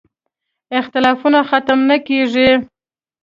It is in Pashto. اختلافونه ختم نه کېږي.